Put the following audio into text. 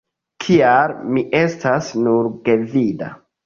Kial mi estas "nur gvida"?